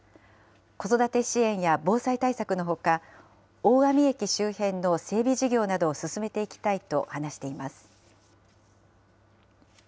子育て支援や防災対策のほか、大網駅周辺の整備事業などを進めていきたいと話しています。